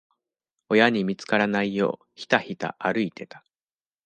親に見つからないよう、ひたひた歩いてた。